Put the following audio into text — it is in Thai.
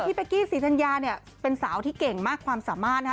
พี่แป๊กกี้ศรีทันยาเนี้ยเป็นสาวที่เก่งมากความสามารถนะฮะ